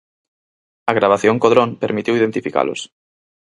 A gravación co dron permitiu identificalos.